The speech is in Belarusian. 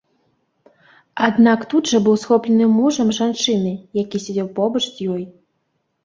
Аднак тут жа быў схоплены мужам жанчыны, які сядзеў побач з ёй.